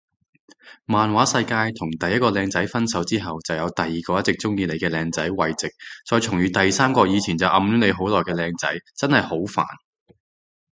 漫畫世界同第一個靚仔分手之後就有第二個一直鍾意你嘅靚仔慰藉再重遇第三個以前就暗戀你好耐嘅靚仔，真係好煩